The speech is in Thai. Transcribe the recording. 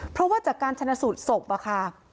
เพราะว่าจากการชนะสูตรศพอะค่ะ